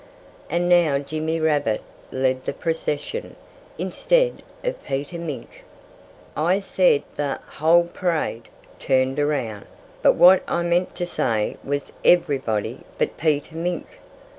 And now Jimmy Rabbit led the procession, instead of Peter Mink. I said the whole parade turned around; but what I meant to say was everybody but Peter Mink.